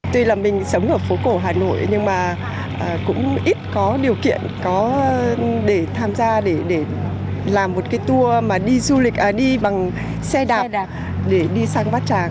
tuy là mình sống ở phố cổ hà nội nhưng mà cũng ít có điều kiện để tham gia để làm một cái tour mà đi du lịch đi bằng xe đạp để đi sang bát tràng